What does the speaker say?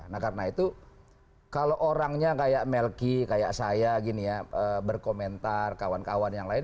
nah karena itu kalau orangnya kayak melky kayak saya gini ya berkomentar kawan kawan yang lain